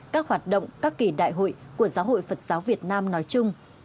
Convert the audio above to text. các hoạt động các kỳ đại hội của giáo hội phật giáo việt nam nói chung